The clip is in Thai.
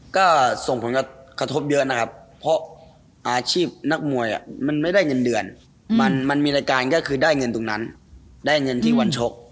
ก็ส่งผลกระทบเยอะนะครับเพราะอาชีพนักมวยมันไม่ได้เงินเดือนมันมีรายการก็คือได้เงินตรงนั้นได้เงินที่วันชก